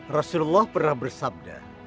rasulullah pernah bersabda